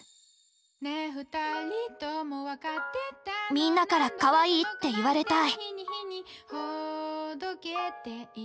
みんなからかわいいって言われたい。